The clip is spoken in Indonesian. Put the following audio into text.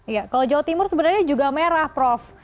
iya kalau jawa timur sebenarnya juga merah prof